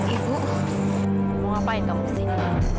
ibu mau ngapain kamu kesini